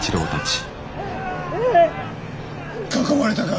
囲まれたか。